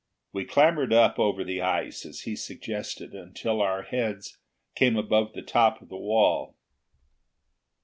We clambered up over the ice, as he suggested, until our heads came above the top of the wall.